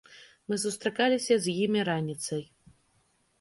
Мы сустракаліся з імі раніцай.